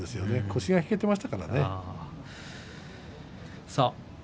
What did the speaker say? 腰が引けていましたから熱海富士は。